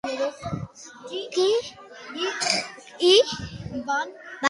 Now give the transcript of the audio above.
Què hi van establir els corintis a prop?